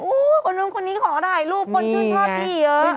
โอ้ยคนลุงคนนี้ขอถ่ายรูปคนช่วยชอบเยอะ